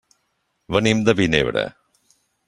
Venim de Vinebre.